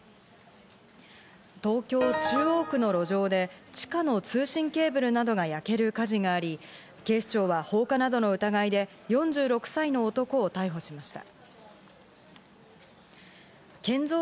東京・中央区の路上で、地下の通信ケーブルなどが焼ける火事があり、警視庁は放火などの疑いで４６歳の男を逮捕しました。